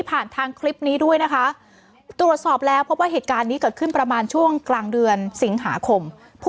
ทางคลิปนี้ด้วยนะคะตรวจสอบแล้วพบว่าเหตุการณ์นี้เกิดขึ้นประมาณช่วงกลางเดือนสิงหาคมผู้